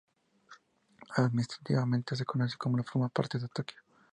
Administrativamente se conoce como y forma parte de Tokio.